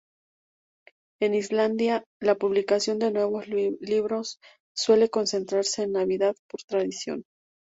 En Islandia, la publicación de nuevos libros suele concentrarse en Navidad por tradición.